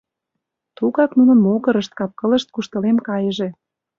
Тугак нунын могырышт, кап-кылышт куштылем кайыже!